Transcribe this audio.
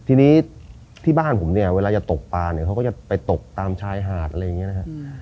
ทีนี้ที่บ้านผมเนี่ยเวลาจะตกปลาเนี่ยเขาก็จะไปตกตามชายหาดอะไรอย่างนี้นะครับ